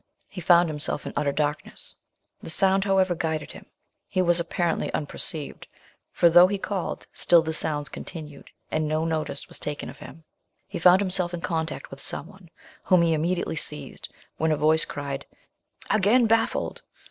He found himself in utter darkness: the sound, however, guided him. He was apparently unperceived; for, though he called, still the sounds continued, and no notice was taken of him. He found himself in contact with some one, whom he immediately seized; when a voice cried, "Again baffled!"